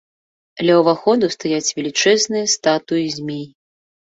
Ля ўваходу стаяць велічэзныя статуі змей.